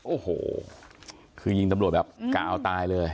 โอ้โหคือยิงตำรวจแบบกะเอาตายเลย